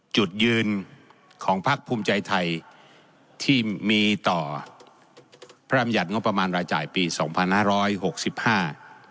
จุดยืนของพักภูมิใจไทยที่มีต่อพระรำยัติงบประมาณรายจ่ายปีสองพันห้าร้อยหกสิบห้า